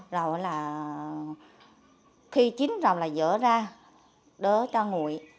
rồi là khi chín rồi là dỡ ra đó cho nguội